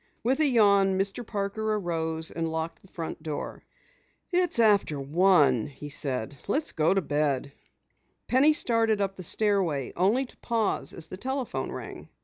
With a yawn, Mr. Parker arose and locked the front door. "It's after one," he said. "Let's get to bed." Penny started up the stairway, only to pause as the telephone rang.